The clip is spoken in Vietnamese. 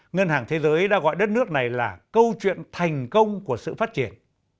ngân hàng thế giới đã gọi đất nước này là câu chuyện thành công của sự phát triển